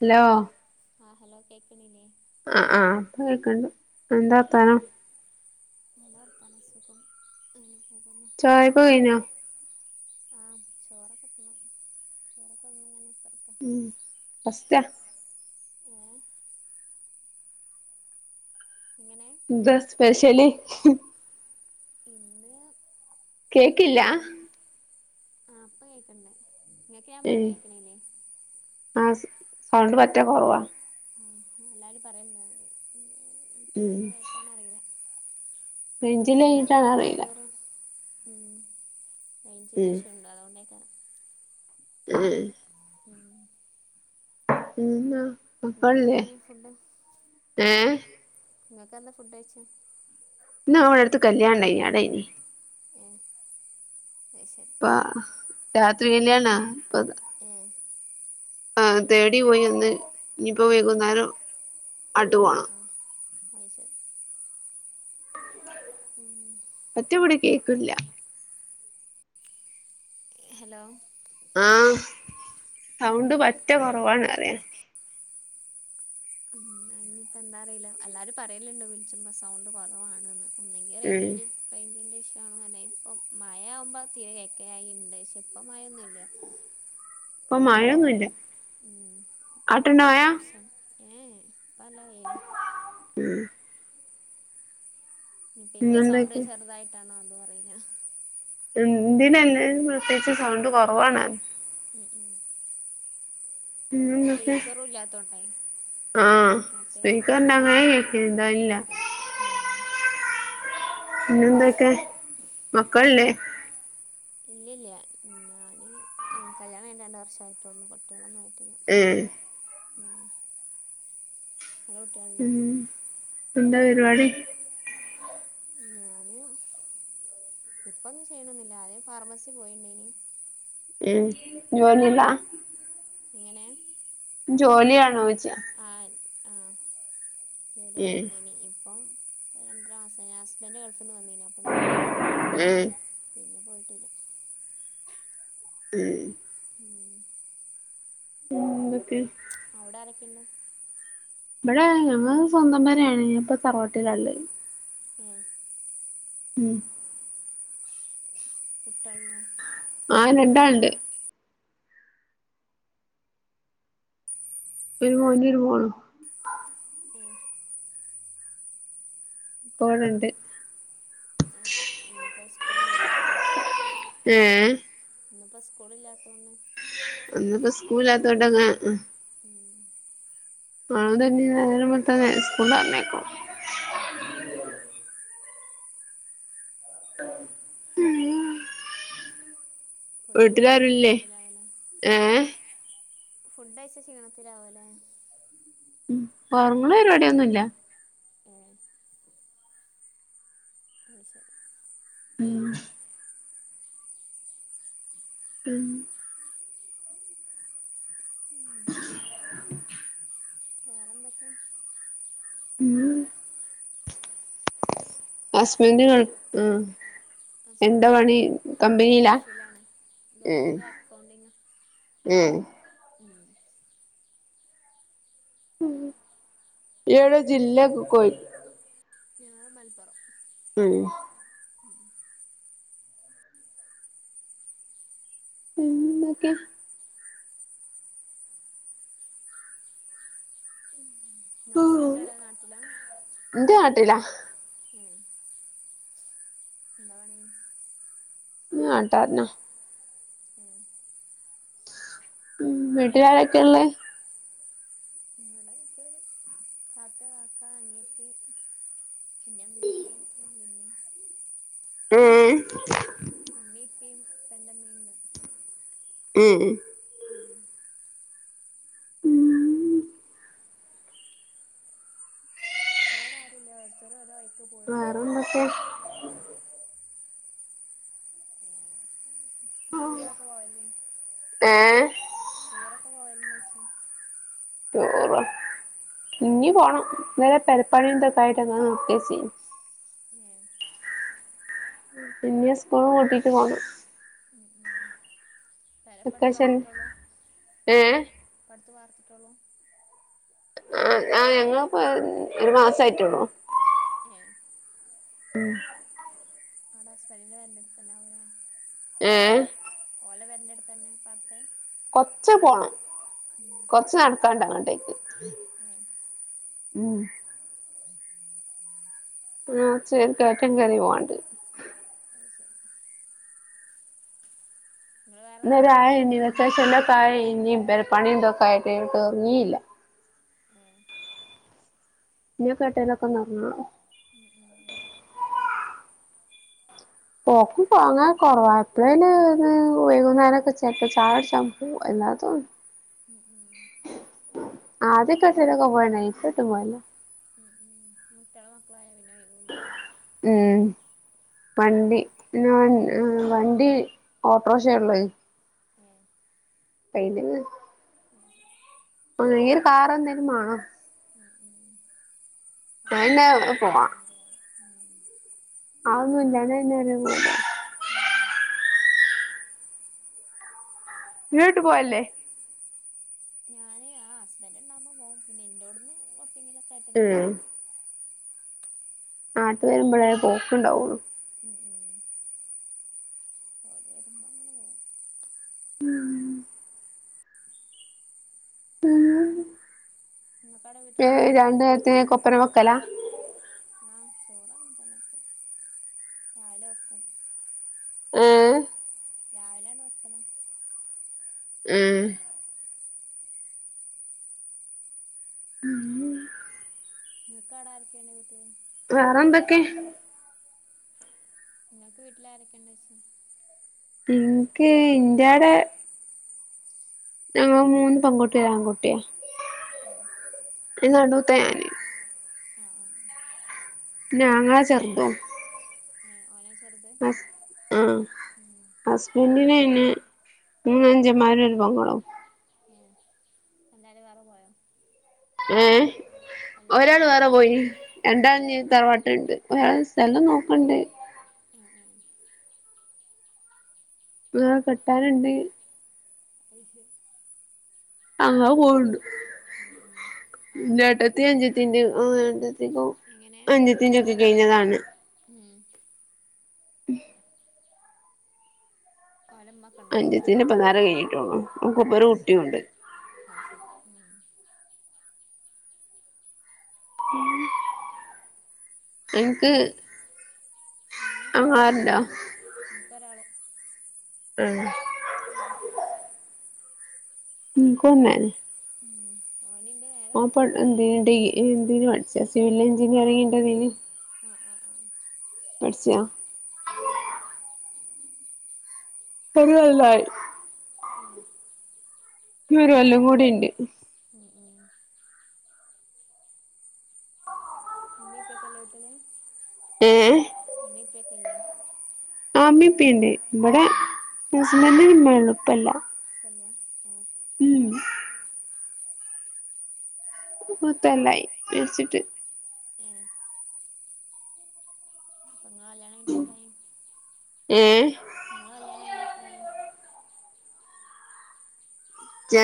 Hello ആഹ hello കേൾക്കണീല്ലേ ആ ആ ഇപ്പൊ കേൾക്കണ്ട് എന്താവർത്താനം? നല്ലവർത്താനം സുഖം അങ്ങനെപോകും [unintelligible] [inaudible] ചായഒക്കെ കയിനോ ആഹ ചോറൊക്കെ തിന്ന്. ചോറൊക്കെ തിന്ന് ഇങ്ങനെ കുത്തി ഇരിക്കാണ്. ഉം മസ് [unintelligible] ഉം ഉം എങ്ങനെ എന്താ സ്പെഷൽ? കേക്കില്ല ഇന്ന് ആ ഇപ്പൊ കേൾക്കണ്ട്. ഇങ്ങക്ക് ഞാൻ പറയണത് കേൾക്കനില്ലേ? ആസ് [unintelligible] പറ്റ കൊറവ ആ എല്ലാരും പറയണ്ട് ഇപ്പൊ ഉം എന്തിന്റെ കൊഴപ്പാണ് അറീല ഇന്ന് റേഞ്ചില്ലാഞ്ഞിട്ടാണോ അറിയില്ല വെർച്ചോർ. മ്മ് റൈഞ്ചിന്റെ ഉം ഇഷ്യൂ ഉണ്ട്. അതുകൊണ്ടേകാരം ഹും ഉം [unintelligible] ഉന്ന അപ്പംല്ലേ [unintelligible] ഇങ്ങക്കെന്തേനി ഏഹ നിങ്ങൾക്ക് എന്താ ഫുഡ് കഴിച്ചേ ന്ന് ഇവിടെ അടുത്ത് കല്യാണം ഇണ്ടായിനി അതേയിനി ഉം അയ്ശരി ഇപ്പ രാത്രി കല്യാണാ കല്ല്യാണ? ഇപ്പ മ്മ് തേടി പോയി വന്ന് ഇനിപ്പോൾ ഉം വൈകുന്നേരം ആട്ട് പോണം അയ്ശരി ഉം ഒറ്റ പിടി കേക്കില്ല. ഹലോ ആഹ ഉം സൗണ്ട് പറ്റ കുറവാാണ് പറയ. ഉം ഇനിയിപ്പോ എന്താന്ന് അറിയില്ല എല്ലാരും പറയലുണ്ട് വിളിക്കുമ്പോ സൗണ്ട് കുറവവാണ്ന്ന്. ഉം അെങ്ക േഞ്ിന്റെ റേഞ്ചിന്റെഷമാണ്. [unintelligible] ഇപ്പ മഴ ആവുമ്പോ തീരെ കേക്കായിണ്ട് ആ പക്ഷെ ഇപ്പ മഴൊന്നുമില്ല. ഇപ്പൊ മഴയൊന്നുല്ല ഉം ഇപ്പൊ ആട്ടുണ്ടോ മഴ വെയിലാണ് ഇപ്പ നല്ല വയില ഉം പിന്റെ സൗണ്ട് ഇന്നെന്തൊക്കെ ചെറുതായിട്ടാണോ അതും അറീല എന്തിനന്നെ [unintelligible] പ്രത്യേകിച്ച് സൗണ്ട് കുറവാണ് ഉം ഉം പിന്നെന്തൊക്കെ സ്പീക്കറും ഇല്ലാത്തോണ്ടെ ആഹ് മറ്റേ നമുക്ക് പിന്നെ സ്പീക്കറിന്റെ ഒന്നും അങ്ങനെ കൂടെ കേക്കണ്ട ഇല്ല കേക്ക പിന്നെന്തൊക്കെ മക്കളില്ലേ ഇല്ലല്ല ഞാന് കല്യാണം കഴിഞ്ഞ് രണ്ട് വർഷമായിട്ടുള്ളു കുട്ടികളൊന്നും ആയിട്ടില്ല. മ്മ് [inaudible] ഉം എന്താ പരിപാടി ഞാന് ഇപ്പൊന്നും ചെയ്യണെന്നില്ല ആദ്യംഫാർമസി പോയിണ്ടിനി [inaudible] ഉ എങ്ങനെ ജോലിയാ ജോലിയാണോയ്ച്ച ആ ജോലി ഉം ചെയ്തെടീനീ ഇപ്പം ഇപ്പൊ രണ്ടര മാസം ആയി ഹസ്ബൻഡ് ഗൾഫിൽ നിന്ന് വന്നീന് അപ്പൊ നിർത്തിയതാണ് ഉം പിന്നെ പോയിട്ടില്ല മ്മ് ഉം [inaudible] അവിടാരെകിട്ട് ഇവിടെ ഞങ്ങക്ക്‌ സ്വന്തം പെരാണ് അപ്പ ഉം ഉം [inaudible] ആ രണ്ടാളുണ്ട് ഒരു മോനും നെരുമോളും ഉം പോണണ്ട് ഐശെരി ഇന്നിപ്പ സ്കൂളില്ലല്ലോ അല്ലേ ഏ ഇന്നിപ്പോ സ്കൂളില്ലാത്തോണ്ട് ന്നിപ്പോ സ്കൂളിത്തോട്ടങ്ങ [unintelligible] നാളെ ഇനി നേരവെളുത്ത നേ സ്ക്ലൂള പറഞ്ഞയ്ക്കും ഉം ഉം [inaudible] ഫുഡൊക്കെ അഴച്ച വീട്ടിലാരുല്ലേ ക്ഷീണത്തിലാവല്ലേ ഏഹ് ഫുഡ് അഴച്ച ക്ഷീണത്തിലാവല്ലേ ഉം ഒറങ്ങണ പരിപാടിയൊന്നുംല്ല ഏ അത് [inaudible] ഉം ഉം ഉം [unintelligible] [inaudible] ഉം ഹുസ്ബൻഡ് ഗൾ ഉം എന്താ ഹസ്ബൻഡ് പണി ഗൾഫ് കമ്പനിയിലാ ഗൾഫിലാണ് ഉം ഗൾഫിൽ അക്കൗണ്ടിങ് ഉം ഉം ഏഴ് ജില്ലയെക്കെ കോയി ഞങ്ങൾ മലപ്പുറം ഉം ഉം ഉം ഓക്കെ ഹസ്ബൻഡോടെ നാട്ടിലാ ഇന്റെ നാട്ടിലാ ഉം എന്താപണി ഉം നാട്ടാർന ഉം ഉം വീട്ടിയാരൊക്കെയ ഉള്ളേ നിങ്ങളെ വീട്ടിലെ താത്ത കാക്ക അനിയത്തി പിന്നെ ഇമ്മി ഇപ്പിൻ വല്ലിമ്മീം ഏയ് ഇമ്മി ഇപ്പിൻ തന്റെ ഇമിൻഡ് പേ പെണ്ട മീണ്ട ഉം [unintelligible] ഇപ്പ ഇവിടെ അരുല്ല ഓരോരുത്തർ ഒരേ വയ്ക് പോയിനു മ് ക്കെ നിങ്ങൾ ടൂർ ഒക്കെ പോവൽ ഏഹ് ഹെ ടൂർ ഒക്കെ പോവാലുണ്ടോ ചോയ്ച്ച [unintelligible] ഇന്നി പോവണം ഇത് വരെ പേരപണി ഒക്കെ ആയിട്ട് നിർത്തി വെച്ചിനു ഹെ ഇന്നി സ്കൂള് പൂട്ടിട്ട് പോണം പെരപ്പടുത്ത് വെക്കേഷൻ ഏ ഇപ്പ അടുത്ത് വാർത്തിട്ടോള്ളൂ ആ ആ ഞങ്ങളിപ്പോ ഒരു മാസയിട്ടള്ളൂ ഏ മ് അവിടെ ഹസ്ബന്റിന്റെ പരന്റെ അടുത്തന്നെ ആവുലെ ഏ ഓല പരന്റെ അടുത്തു തന്നെ പത്ത് കൊറച്ച് പോണം കൊറച് നടക്കാണ്ട് അങ്ങോട്ടേക്ക് ഏഹ് ഉം [unintelligible] ആ ചെരി കയറ്റം കറി പോവാണ്ട് അതു ശരി നിങ്ങൾ വേറെ എന്തെങ്കിലും വർക്ക് ഇന്നാരായ ഇനി ചെയ്യണ്ടോ വെച്ചേഷ എ തായ ഇനി പണി ന്തൊക്കെ ആയിട്ട് തോറങ്ങിയില്ല ഏഹ് ഇനി കേട്ടേനൊക്കെന്ന്റഞ്ഞോ ഉം ഉം പോക്കും പോങ്‌ അങ്ങനെ കുറവാ എപ്പഴേല് ഇന്ന് വൈകുന്നേരക്കെ ചെലപ്പോ ചായ കുടിച്ചൻ പോവും അല്ലാതെ ന്നും [inaudible] ഉം ഉം അതക്കെ ചെലപ്പം പോയിന് ഇപ്പ ട്ടും പോവലില്ല കുട്ട്യാലും മക്കളും ആയാൽ പിന്നെ ഒഴിബ് ഉം വണ്ടി [unintelligible] വണ്ടി ഓട്ടോറിക്ഷ ഉള്ളൂ അത് പെയിന്റിംഗ് ശരി ഒരു കാറ എന്തേലും വേണോ അലോ അങ്ങോട്ട് അയിന് പോവാ പോണമെങ്കിൽ വണ്ടിയവാണം ഉ ആതോന്നുംല്ലാന്നാ പിന്നെ ഒരു ഉ [unintelligible] പോക ലെ ഞാൻ ആ ഹസ്ബൻ് ഉണ്ടാവുമ്പോൾ പോകും പിന്നെ എന്റോഡ്ൻ കുറചെങ്കിലൊക്ക ആയിട്ടങ്ങനെ ഉം ഇറക്കും നടക്കും നാട്ട് വരുമ്പോഴേ പോക്കുണ്ടാവുള്ളു [unintelligible] ഉം ഉ ഓല വരുമ്പോ അങ്ങനെ പോവും നിങ്ങൾക്കവിടെ ഹെ വീട്ടിലാരൊക്കെയുണ്ട് രണ്ടു നേരത്തിന് കൊപ്പരം വെക്കലാ ആഹ ചോർ ങ്ങൻതന്നെ വെക്ക രാവിലെ വെക്കും ഏ രാവിലെണ്ട് വെക്കല ആഹ നിക്അവിടെ ആരിക്ക ഉണ്ട് വീട്ടില്? വേറെ എന്തൊക്കെ നിങ്ങൾക്ക് വീട്ടിൽ ആരൊക്കെണ്ട് ഇനിക്ക് ഇന്റോടെ ഞങ്ങള് മൂന്ന് പെൺകുട്ടി ഒരാ ആൺകുട്ടിയ ഉം ഞാന് ആഹ് ആഹ് പിന്നെ ആങ്ങള ചെർതും ഉം ഓനാ ചെറുത് ആഹ് ഉം. ഹസ്ബന്റ് ന് അയിന് മൂന്നഞ്ചന്മാരും ഒരു പെങ്ങളും എല്ലാരും വേറെ പോയോ ഏഹ് ഒരാൾ വേറെ പോയി ഉം ഏ രണ്ടാള് ഞ്ഞ് തറവാട്ടിണ്ട് ഓരൾ ആ സ്ഥലം നോക്ക്ണ്ട് ആ ആ കെട്ടാനുണ്ട് [unintelligible] അങ്ങാ പോണ്ട് ഉം ഉം ഓലെ ഉമ്മയൊക്കെ ഇന്റെഎട്ടത്തി ഉണ്ട് നിൽക്കലേ അനുജത്തിന്റെ ആണ്ട് എങ്ങനെ [unintelligible] അഞ്ചത്തിന്റെ ഒക്കെ കയിഞ്ഞതാണ് ഉം ഉം ഓലെമ്മ അഞ്ചത്തിന് ഇപ്പന്നാരെ കയിഞ്ഞിട്ടൊളൂ ഓൾക്ക് ഇപ്പൊ ഒരു കുട്ടിയുണ്ട് അത് ശരി ഉം [unintelligible] അനിക്ക് ഹസ് ആങ്ങളാര്ണ്ടോ ഇൻക്കൊരാള് ഏഹ് [unintelligible] ഇൻക്കൊനേന്നെ ഉം ഓനിന്റെ ഓൻ ഇപ്പൊ എന്തിന് ഡി ഇതിന് പഠിച്ച സിവിൽ എഞ്ചിനീയറിംഗിന്റെ തിന് ആഹ് ആഹ് ആഹ് പഠിച്ചോ അത് ശരി ഒര് കൊല്ലായി ഏഹ് ഇഞ്ഞ് ഒരു കൊല്ലം കൂടി ഉണ്ട് [unintelligible] ഉമ്മിം ഉപ്പേകില്ലേ വീട്ടില് ഏഹ് ഉമ്മേ ഉപ്പേക്കല്ലേ ആഹ് ഉമ്മിപ്പണ്ട് ഇവടെ ഉം ഹസ്ബന്ഡിന് ഉമ്മേള്ളു ഉപ്പേല്ല തന്നെ ഏഹ് ഉം പ്പ പത്തൊല്ലായി മരിച്ചിട്ട് ഏഹ് അപ്പൊ നിങ്ങള കല്യാണം കഴിഞ്ഞിട്ട് എത്രയായി ഏഹ് നിങ്ങള കല്യാണം കഴിഞ്ഞിട്ടു എത്രയായി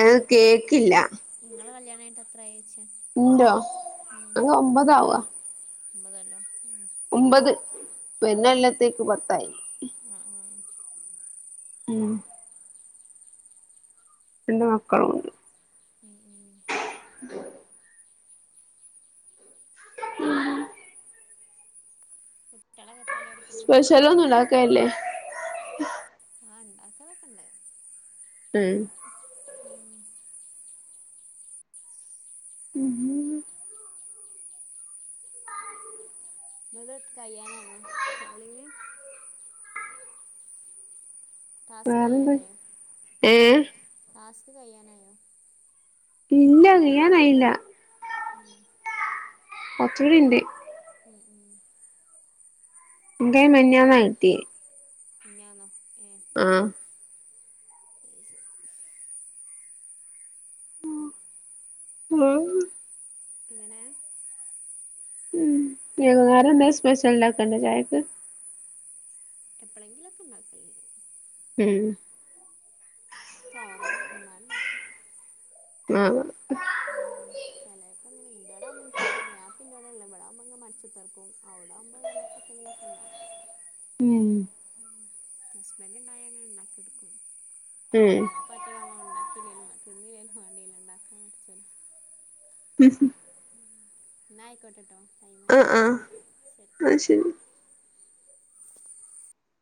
നിങ്ങളെ കേക്കില്ല നിങ്ങളെ കല്ല്യാണമായിട്ട് എത്രയിച്ച ഇൻ്റോ ഉം അൻക്ക് ഒമ്പതാവാ ഒമ്പതൊല്ലൊ ഉം ഒമ്പത് വരുന്നെല്ലത്തേക്ക് പത്തായി ആഹ് ആഹ് ഉം പിന്നമക്കളുണ്ട് [inaudible] ഉം ഉം ഉം ഹ്ഹ് കുട്ട്യളക്കെത്രേലാ സ്പെഷ്യല് ഒന്നും ഉണ്ടാക്കേല്ലേ? ആ ഇണ്ടാക്കലൊക്കെണ്ട് ഉം മ് മ്ഹ് [inaudible] എങ്ങത്കയ്യാനായോ കോളിഗ് ട്ടാസ്ക് വേറെന്ത് കയ്യാനായൊ ഏഹ് [inaudible] ട്ടാസ്ക് കയ്യാനായൊ ഇല്ല കയ്യാനായില്ല ഉം കൊർച്ചൂടിണ്ട് [inaudible] ഇന്റെയ് മിഞ്ഞാന്നാകിട്ടിയേ മിഞ്ഞാന്നോ ഏ ആ അത് [unintelligible] ഇങ്ങനേ ഉം വൈകുന്നാരെന്തേ സ്പെഷ്യൽണ്ടാക്കേണ്ടോ ചായക്ക് എപ്പളങ്കിലൊക്കെഇണ്ടാക്കൽണ്ട് ഉം തോന്നണം ഇന്നാണ്ടാക്കും. ആ ഹ് ഉം ചെലേപ്പങ്ങനെ ഇന്റടാവുമ്പഇൻക് ഞാനിപ്പം ഇന്റോടെള്ളെ ഇവടാവുമ്പങ്ങനെ മടിച്ചുത്തർക്കും. ഔടാവുമ്പം ചെലേപ്പതെങ്കിലൊക്കെണ്ടാക്കും. ഉം മ് ഹസ്ബന്റ്ണ്ടായങ്ങനെ ണ്ടാക്കിഒട്ക്കും. ഉം അപ്പ ഒറ്റക്കാമ്മം ഉണ്ടാക്കില്ലേലും വാ തിന്നില്ലേലും വാണ്ടീല ഇണ്ടാക്കാൻ മട്ച്ചല്ലോ ഇന്നായ്കോട്ടട്ടോ അ ആഹ് ആഹ് ശരി.